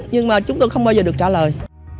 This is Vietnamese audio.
nhưng mà chúng tôi không bao giờ được trả lời